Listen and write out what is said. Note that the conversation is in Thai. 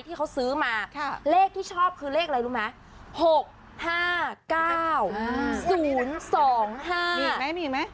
ถ้าเขาซื้อมาเลขที่ชอบคือเลขอะไรรู้มั้ย